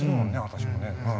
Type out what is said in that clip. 私もね。